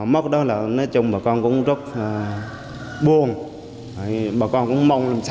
móc đó là nói chung bà con cũng rất buồn